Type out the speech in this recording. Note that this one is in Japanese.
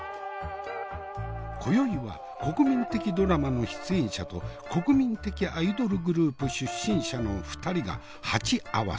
今宵は国民的ドラマの出演者と国民的アイドルグループ出身者の２人が鉢合わす。